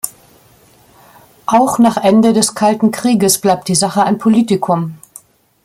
Auch nach Ende des „Kalten Krieges“ bleibt die Sache ein Politikum.